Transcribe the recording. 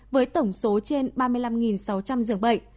với tổng số trên ba mươi năm sáu trăm linh giường bệnh